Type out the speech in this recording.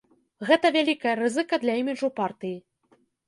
Гэта вялікая рызыка для іміджу партыі.